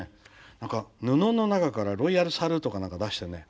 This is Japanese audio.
何か布の中からロイヤルサルートか何か出してね